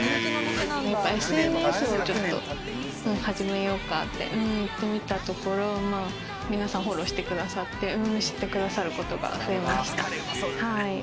ＳＮＳをちょっと始めようかって言ってみたところ、皆さんフォローしてくださって、知って下さることが増えました。